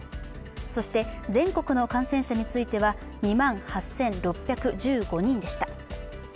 そして全国の感染者については２万８６１５人でした。